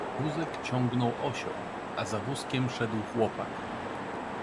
Wózek ciągnął osioł, a za wózkiem szedł chłopak.